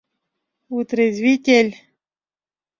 — Вытрезвитель...